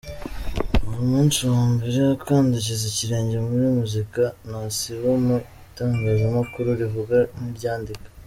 Kuva umunsi wa mbere akandagiza ikirenge muri muzika, ntasiba mu itangazamakuru rivuga n’iryandika.